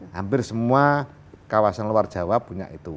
hampir semua kawasan luar jawa punya itu